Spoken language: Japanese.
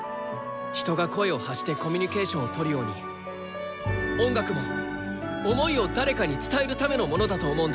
人が声を発してコミュニケーションをとるように音楽も想いを誰かに伝えるためのものだと思うんだ。